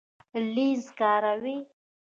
لینز کاروئ؟